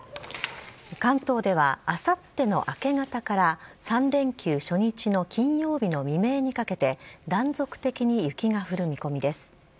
関東ではあさっての明け方から３連休初日の金曜日の未明にかけて、断続的に雪が降る見込みです。